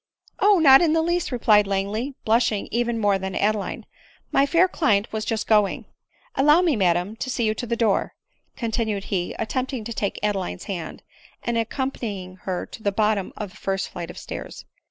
" Oh ! not in the least," replied Langley, blushing even more than Adeline, " my fair client was just going. * i» 412 ADELINE MOWBRAY. Allow me, madam, to see you to the door," continued he, attempting to take Adeline's hand, and accompanying her to the bottom of the first flight of stairs.